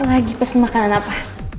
lagi pesen makanan apa